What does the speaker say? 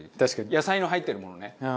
野菜の入ってるものね。